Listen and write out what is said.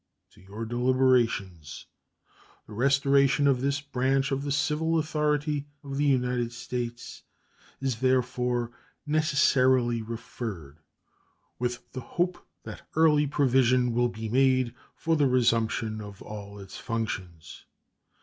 To your deliberations the restoration of this branch of the civil authority of the United States is therefore necessarily referred, with the hope that early provision will be made for the resumption of all its functions.